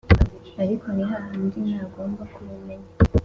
ariko nihahandi nagomba kubimenya